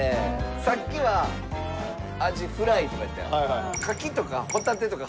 さっきはアジフライとかやったやん。